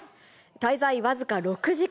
滞在僅か６時間。